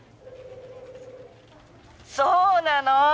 そうなの！